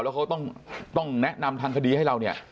แล้วเขาต้องแนะนำทางคดีให้เราเนี่ย